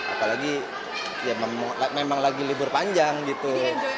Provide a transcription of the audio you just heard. apalagi ya memang lagi libur panjang gitu